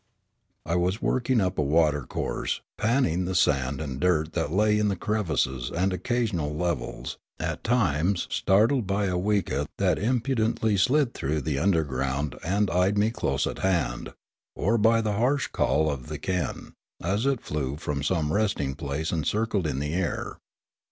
I was working up a watercourse, panning the sand and dirt that lay in the crevices and occasional levels, at times startled by a weka that impudently slid through the undergrowth and eyed me close at hand, or bj the harsh call of the kea, as it flew from some resting place and circled in the air.